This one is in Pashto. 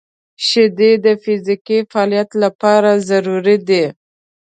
• شیدې د فزیکي فعالیت لپاره ضروري دي.